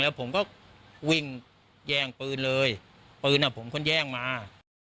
ผมก็วิ่งแย่งปืนเลยปืนอ่ะผมก็แย่งมา